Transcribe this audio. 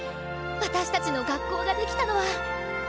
私たちの学校が出来たのは。